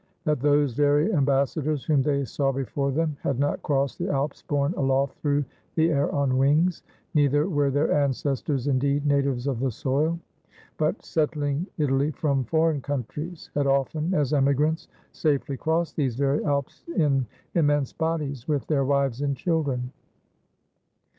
That those very ambassa dors whom they saw before them had not crossed the Alps borne aloft through the air on wings; neither were their ancestors indeed natives of the soil, but settUng Italy from foreign countries, had often as emigrants safely crossed these very Alps in immense bodies, with their wives and children.